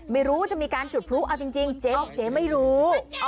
ไม่รู้จะมีการจุดพลุกเอาจริงเจ๊ไม่รู้